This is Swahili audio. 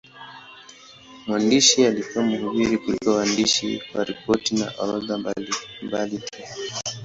Mwandishi alikuwa mhubiri kuliko mwandishi wa ripoti na orodha mbalimbali tu.